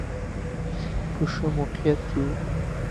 په ښه موقعیت کې و.